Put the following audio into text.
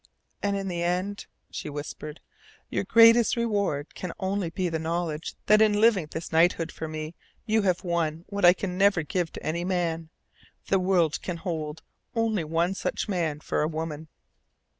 "And in the end," she whispered, "your greatest reward can be only the knowledge that in living this knighthood for me you have won what I can never give to any man. The world can hold only one such man for a woman.